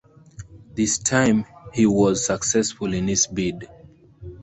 This time he was successful in his bid.